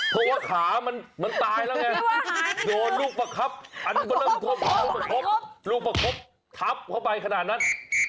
เพราะว่าขามันตายแล้วไงโดนลูกประคับลูกประคับทับเข้าไปขนาดนั้น